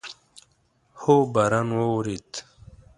هو، باران اوورېدو